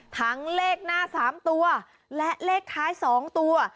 ทั้งเลขหน้า๓ตัวและเลขท้าย๒ตัว